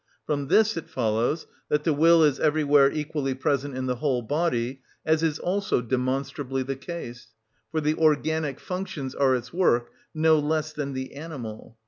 From this it follows that the will is everywhere equally present in the whole body, as is also demonstrably the case, for the organic functions are its work no less than the animal.